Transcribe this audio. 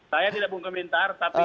saya tidak mau komentar tapi